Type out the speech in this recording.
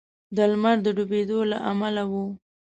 د لمر د ډبېدو له امله و.